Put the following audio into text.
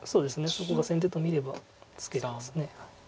そこが先手と見ればツケれます。